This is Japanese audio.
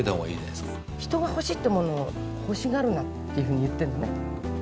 人が欲しいってモノを欲しがるなっていうふうに言ってるのね。